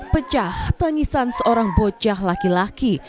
pecah tangisan seorang bocah laki laki